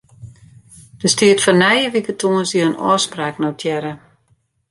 Der stiet foar nije wike tongersdei in ôfspraak notearre.